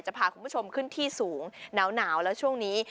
พาคุณผู้ชมขึ้นที่สูงหนาวแล้วช่วงนี้